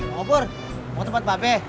ngobur mau tempat pabe